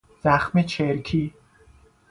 زخم چرکی